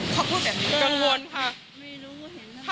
เขาพูดแบบนี้เลยไม่รู้ว่าเห็นแล้วเขาบอกว่ากังวลค่ะ